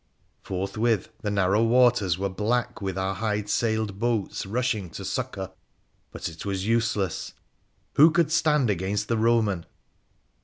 Forthwith the narrow waters were black with our hide sailed boats rushing to succour. But it was useless. Who could stand against the Soman